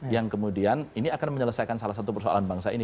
yang kemudian ini akan menyelesaikan salah satu persoalan bangsa ini